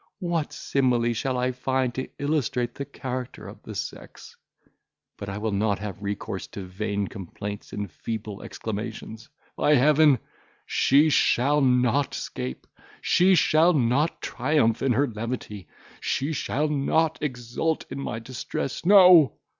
what simile shall I find to illustrate the character of the sex? But I will not have recourse to vain complaints and feeble exclamations. By Heaven! she shall not 'scape, she shall not triumph in her levity, she shall not exult in my distress; no!